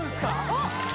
おっ！